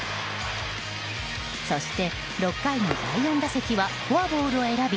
そして、６回の第４打席はフォアボールを選び